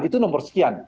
itu nomor sekian